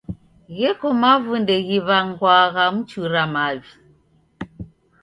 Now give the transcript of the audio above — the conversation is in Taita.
Gheko mavunde ghiw'anwagha mchura mavi.